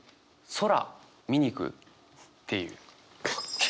「空見に行く？」っていう。